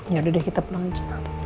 ya udah deh kita pulang aja